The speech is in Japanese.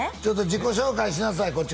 ちょっと自己紹介しなさい